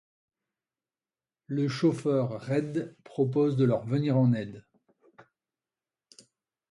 Le chauffeur Red propose de leur venir en aide.